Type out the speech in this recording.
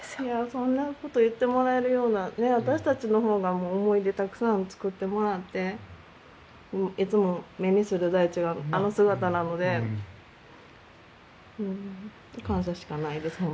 そんなこと言ってもらえるような私たちのほうが思い出たくさんつくってもらっていつも目にする大地があの姿なので感謝しかないです